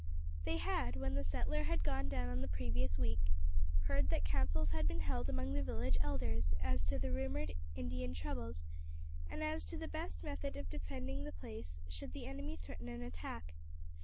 They had, when the settler had gone down on the previous week, heard that councils had been held among the village elders as to the rumoured Indian troubles, and as to the best method of defending the place should the enemy threaten an attack.